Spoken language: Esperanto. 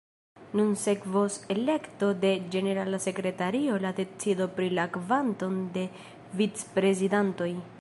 Nun sekvos elekto de ĝenerala sekretario kaj decido pri la kvanto de vicprezidantoj.